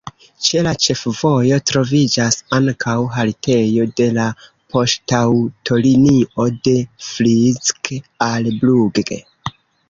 Ĉe la ĉefvojo troviĝas ankaŭ haltejo de la poŝtaŭtolinio de Frick al Brugg.